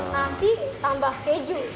memang nasi tambah keju